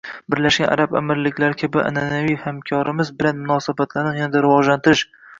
Birlashgan Arab Amirliklari kabi an’anaviy hamkorlarimiz bilan munosabatlarni yanada rivojlantirish